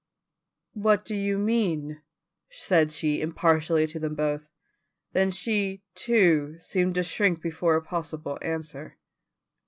"What do you mean?" said she impartially to them both. Then she, too, seemed to shrink before a possible answer.